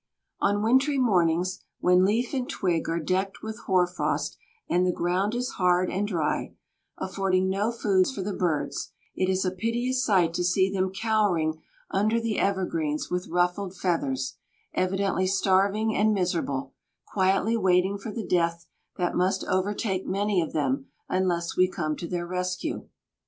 On wintry mornings, when leaf and twig are decked with hoar frost and the ground is hard and dry, affording no food for the birds, it is a piteous sight to see them cowering under the evergreens with ruffled feathers, evidently starving and miserable, quietly waiting for the death that must overtake many of them unless we come to their rescue.